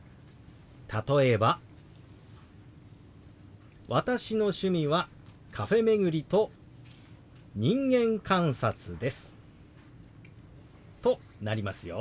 例えば「私の趣味はカフェ巡りと人間観察です」となりますよ。